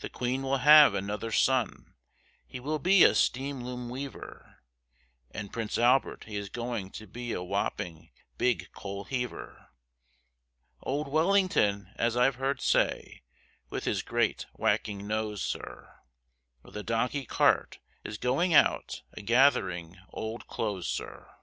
The Queen will have another son, he will be a steam loom weaver, And Prince Albert he is going to be a wopping big coal heaver; Old Wellington as I've heard say, with his great whacking nose, sir, With a donkey cart is going out a gathering old clothes, sir.